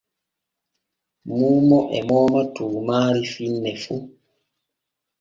Muumo e mooma tuumaari finne fu.